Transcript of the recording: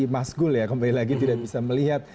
mas gul ya kembali lagi tidak bisa melihat